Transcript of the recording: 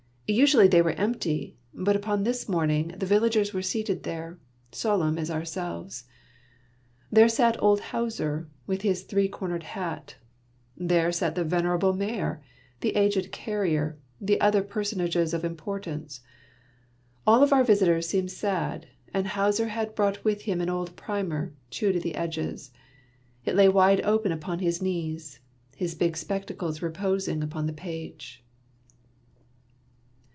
Usually they were empty, but upon this morning the villagers were seated there, sol emn as ourselves. There sat old Hauser, with his three cornered hat, there sat the venerable mayor, — Ihfi aged eaf^'ier, and other personages of impor tance. All of our visitors seemed sad, and Hauser had brought with him an old primer, chewed at the edges. It4ay md£ 4jften_ju£onJiis ^^ spectacles. reposing trpon^ the pag^'.